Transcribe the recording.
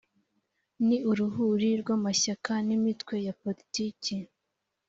ni uruhuri rw’amashyaka n’imitwe ya poritiki